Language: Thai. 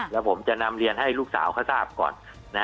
แล้วผมจะนำเรียนให้ลูกสาวเขาทราบก่อน